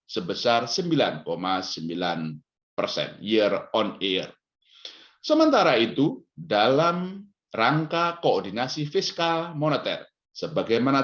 sebesar sembilan sembilan persen year on year sementara itu dalam rangka koordinasi fiskal moneter sebagaimana